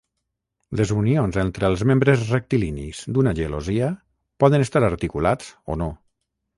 Les unions entre els membres rectilinis d'una gelosia poden estar articulats o no.